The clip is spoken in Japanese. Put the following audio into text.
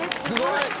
すごい！